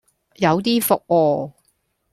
有啲伏啊